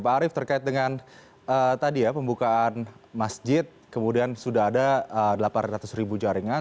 pak arief terkait dengan tadi ya pembukaan masjid kemudian sudah ada delapan ratus ribu jaringan